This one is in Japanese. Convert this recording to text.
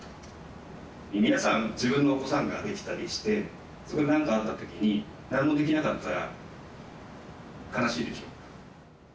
皆さん、自分のお子さんが出来たりして、それで何かあったときに何もできなかったら悲しいでしょ。